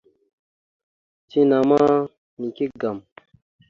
Tina ma nike agam.